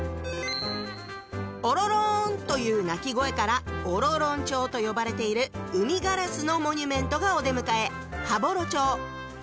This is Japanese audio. オロロンという鳴き声からオロロン鳥と呼ばれているウミガラスのモニュメントがお出迎え「羽幌町」